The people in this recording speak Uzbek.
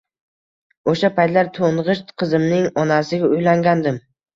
O`sha paytlar to`ng`ich qizimning onasiga uylangandim